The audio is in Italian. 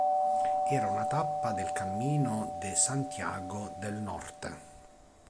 Era una tappa del Camino de Santiago del Norte.